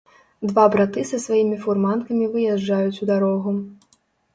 Два браты са сваімі фурманкамі выязджаюць у дарогу.